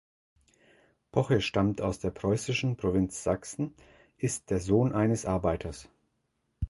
Poche stammt aus der preußischen Provinz Sachsen ist der Sohn eines Arbeiters.